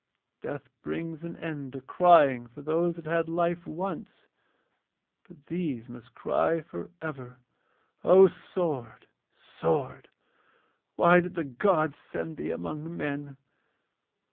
Death brings an end to crying for those that had life once, but these must cry for ever. O sword! sword! why did the gods send thee among men?'